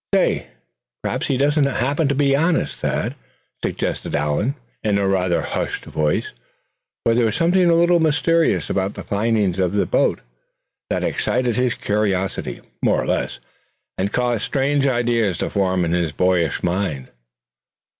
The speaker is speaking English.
"Say, perhaps he doesn't happen to be honest, Thad?" suggested Allan, in rather a hushed voice; for there was something a little mysterious about the finding of this boat that excited his curiosity more or less, and caused strange ideas to form in his boyish mind.